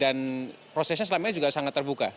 dan prosesnya selamanya juga sangat terbuka